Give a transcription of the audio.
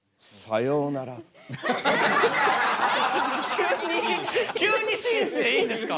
急に急に紳士でいいんですか？